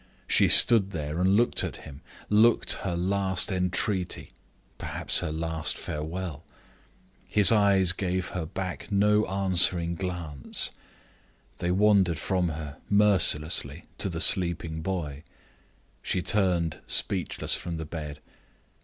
She stood there and looked at him; looked her last entreaty perhaps her last farewell. His eyes gave her back no answering glance: they wandered from her mercilessly to the sleeping boy. She turned speechless from the bed.